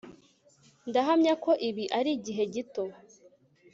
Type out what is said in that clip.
ndahamya ko ibi arigihe gito